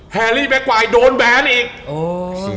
แฮรี่แบคไวโดนแบนอีก